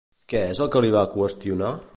Què és el que li va qüestionar?